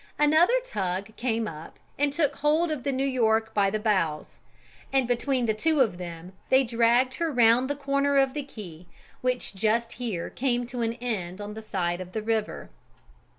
Another tug came up and took hold of the New York by the bows; and between the two of them they dragged her round the corner of the quay which just here came to an end on the side of the river.